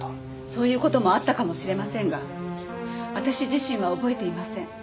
そういう事もあったかもしれませんが私自身は覚えていません。